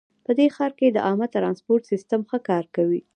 په دې ښار کې د عامه ترانسپورټ سیسټم ښه کار کوي